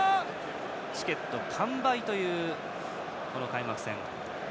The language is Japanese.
チケット完売という開幕戦。